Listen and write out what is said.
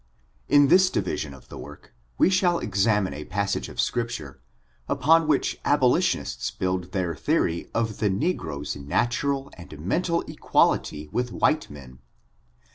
In this division of the work we shall examine a passage of Scripture, upon which abolitionists build their theory of Uie negro's natural and mental equal ity with white men.